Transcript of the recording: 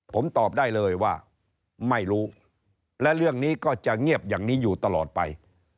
ผมตอบได้เลยว่าไม่รู้และเรื่องนี้ก็จะเงียบอย่างนี้อยู่ตลอดไป